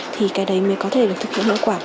thì cái đấy mới có thể được thực hiện hiệu quả